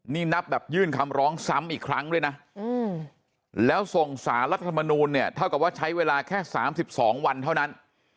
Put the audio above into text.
นี่นับแบบยื่นคำร้องซ้ำอีกครั้งด้วยนะแล้วส่งสารรัฐธรรมนูลเนี่ยเท่ากับว่าใช้เวลาแค่๓๒วันเท่านั้น